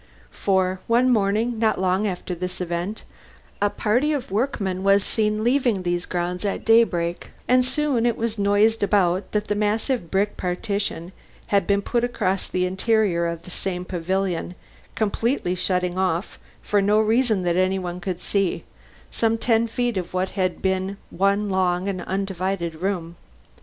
For, one morning, not long after this event, a party of workmen was seen leaving these grounds at daybreak, and soon it was noised about that a massive brick partition had been put up across the interior of this same pavilion, completely shutting off, for no reason that any one could see, some ten feet of what had been one long and undivided room.